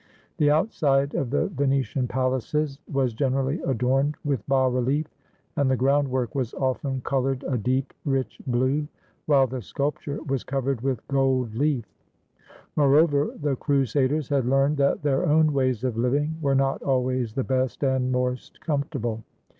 The outside of the Venetian palaces was generally adorned with bas relief, and the groundwork was often colored a deep, rich blue, while the sculpture was covered with gold leaf. Moreover, the crusaders had learned that their own ways of living were not always the best and most comfortable.